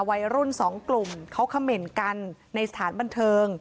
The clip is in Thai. วัยรุ่นสองกลุ่มเขาเขม่นกันในสถานบันเทิง